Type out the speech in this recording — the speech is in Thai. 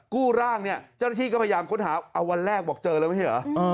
กู้ร่างเนี่ยเจ้าหน้าที่ก็พยายามค้นหาเอาวันแรกบอกเจอแล้วไม่ใช่เหรอ